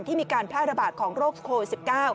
มีการแพร่ระบาดของโรคโควิด๑๙